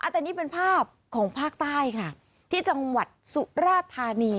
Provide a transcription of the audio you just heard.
แต่นี่เป็นภาพของภาคใต้ค่ะที่จังหวัดสุราธานี